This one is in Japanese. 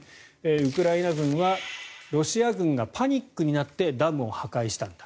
ウクライナ軍はロシア軍がパニックになってダムを破壊したんだ。